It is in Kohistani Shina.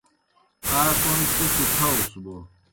آ کوْم سہ سیْ تھاؤس بوْ